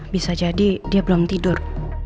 bisa jadi dia belum tidur